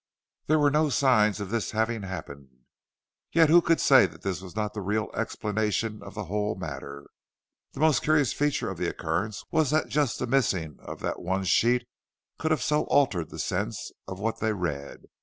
There were no signs of this having happened. Yet who could say that this was not the real explanation of the whole matter? The most curious feature of the occurrence was that just the missing of that one sheet should have so altered the sense of what they read.